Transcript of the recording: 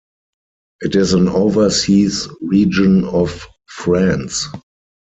It is an overseas region of France.